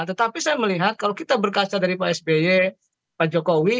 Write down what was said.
tetapi saya melihat kalau kita berkaca dari pak sby pak jokowi